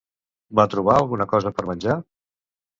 Va trobar alguna cosa per menjar?